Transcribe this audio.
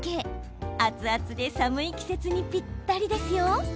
熱々で寒い季節にぴったりですよ。